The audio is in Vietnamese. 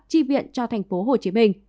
chi viện cho tp hcm